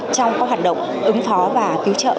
trong các hoạt động ứng phó và cứu trợ việt nam